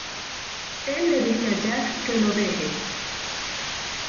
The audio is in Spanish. Él le dice a Jack que lo deje.